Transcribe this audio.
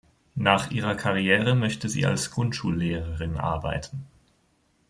Nach ihrer Karriere möchte sie als Grundschullehrerin arbeiten.